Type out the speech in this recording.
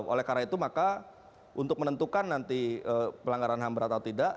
oleh karena itu maka untuk menentukan nanti pelanggaran ham berat atau tidak